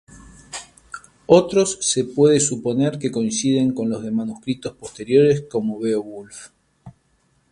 Otros se puede suponer que coinciden con los de manuscritos posteriores como Beowulf.